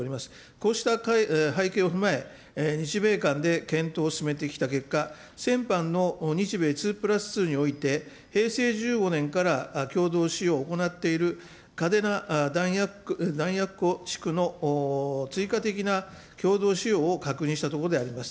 こうした背景を踏まえ、日米間で検討を進めてきた結果、先般の日米２プラス２において、平成１５年から共同使用を行っている嘉手納弾薬庫地区の追加的な共同使用を確認したところであります。